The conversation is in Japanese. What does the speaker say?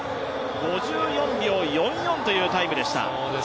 ５４秒４４というタイムでした。